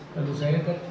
kalau saya kan